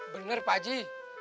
bener pak aji